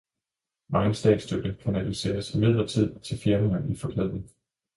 Megen statsstøtte kanaliseres imidlertid til firmaer i forklædning.